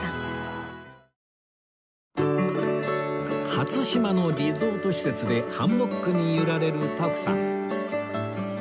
初島のリゾート施設でハンモックに揺られる徳さん